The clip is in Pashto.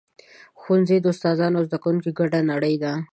ښوونځی د استادانو او زده کوونکو ګډه نړۍ ده.